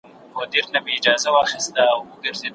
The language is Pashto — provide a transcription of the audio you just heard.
لار په خپلو وینو سره کړي تر منزله